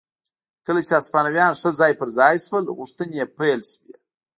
کله چې هسپانویان ښه ځای پر ځای شول غوښتنې یې پیل شوې.